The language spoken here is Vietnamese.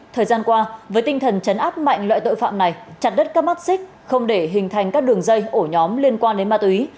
thời gian qua với tinh thần chấn áp mạnh loại tội phạm này chặt đất các mắt xích không để hình thành các đường dây ổ nhóm liên quan đến ma túy